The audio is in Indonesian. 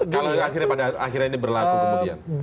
kalau akhirnya ini berlaku kemudian